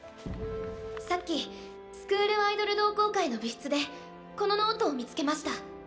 さっきスクールアイドル同好会の部室でこのノートを見つけました。